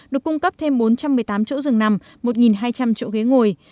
được cung cấp thêm bốn trăm một mươi tám chỗ dừng nằm một hai trăm linh chỗ ghế ngồi